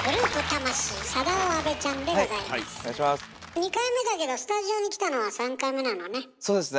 ２回目だけどスタジオに来たのは３回目なのね。